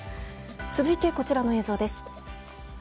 続いて、こちらの映像です。